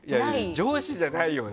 上司じゃないよな。